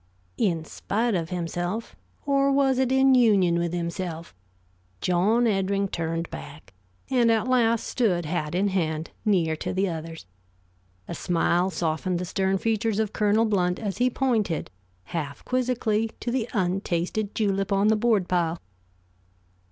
In spite of himself or was it in union with himself? John Eddring turned back, and at last stood hat in hand near to the others. A smile softened the stern features of Colonel Blount as he pointed, half quizzically to the untasted julep on the board pile.